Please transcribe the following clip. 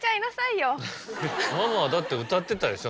ママはだって歌ってたでしょ